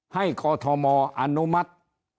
ให้กอทมอนุมัติ